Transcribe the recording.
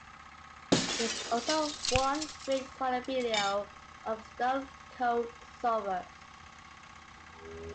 There is also one great Crawler video of Stone Cold Sober.